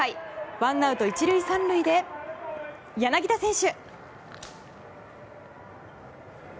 ワンアウト１塁３塁で柳田選手。